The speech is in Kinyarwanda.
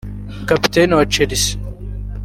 Kapiteni wa Chelsea